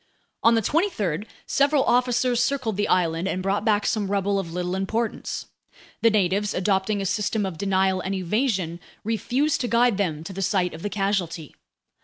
On the 23rd, several officers circled the island and brought back some rubble of little importance. The natives, adopting a system of denial and evasion, refused to guide them to the site of the casualty.